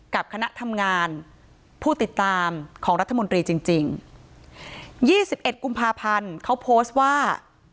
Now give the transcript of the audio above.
กับคณะทำงานผู้ติดตามของรัฐมนตรีจริงจริงยี่สิบเอ็ดกุมภาพันธ์เขาโพสต์ว่า